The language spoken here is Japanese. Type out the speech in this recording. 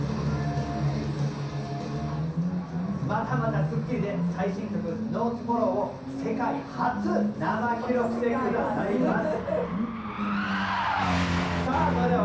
またまた『スッキリ』で最新曲『ＮＯＴＯＭＯＲＲＯＷ』を世界初生披露してくださいます。